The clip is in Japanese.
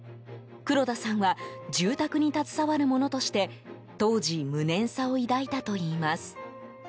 黒田さんは住宅に携わる者として当時無念さを抱いたといいます。